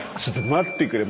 待ってくれ。